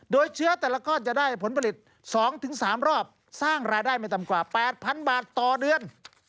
โดยเชื้อแต่ละก้อนจะได้ผลผลิต๒๓รอบสร้างรายได้ไม่ต่ำกว่า๘๐๐๐บาทต่อเดือน